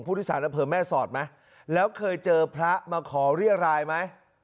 พุทธศาสนเผิมแม่สอดไหมแล้วเคยเจอพระมาขอเรียกรายไหม